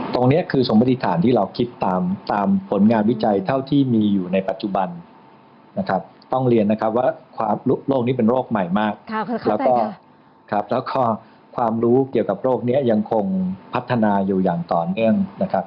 ตรงนี้คือสมมติฐานที่เราคิดตามผลงานวิจัยเท่าที่มีอยู่ในปัจจุบันนะครับต้องเรียนนะครับว่าโรคนี้เป็นโรคใหม่มากแล้วก็ครับแล้วก็ความรู้เกี่ยวกับโรคนี้ยังคงพัฒนาอยู่อย่างต่อเนื่องนะครับ